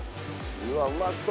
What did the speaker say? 「うわっうまそう！」